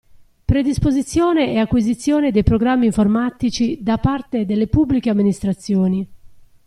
Predisposizione e acquisizione dei programmi informatici da parte delle Pubbliche Amministrazioni.